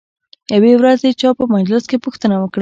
یوې ورځې چا په مجلس کې پوښتنه وکړه.